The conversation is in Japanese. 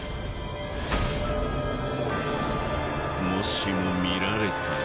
もしも見られたら